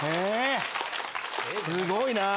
すごいなぁ。